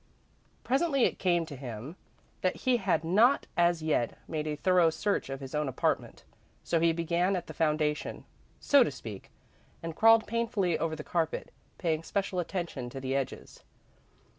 Presently it came to him that he had not as yet made a thorough search of his own apartment, so he began at the foundation, so to speak, and crawled painfully over the carpet, paying special attention to the edges.